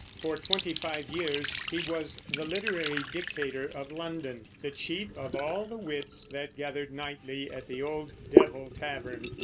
For twenty five years he was the literary dictator of London, the chief of all the wits that gathered nightly at the old Devil Tavern.